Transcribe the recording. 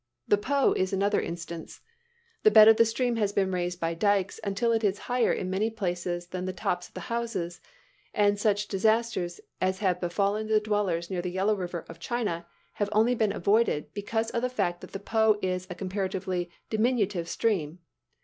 The Po is another instance. The bed of the stream has been raised by dykes until it is higher in many places than the tops of the houses, and such disasters as have befallen the dwellers near the Yellow River of China, have only been avoided because of the fact that the Po is a comparatively diminutive stream.